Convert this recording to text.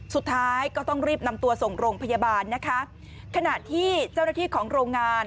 สุดท้ายก็ต้องรีบนำตัวส่งโรงพยาบาลนะคะขณะที่เจ้าหน้าที่ของโรงงาน